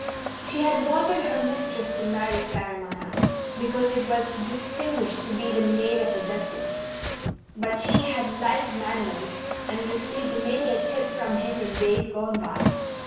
She had wanted her mistress to marry Claremanagh, because it was distinguished to be the maid of a Duchess, but she had liked Manners and received many a tip from him in days gone by.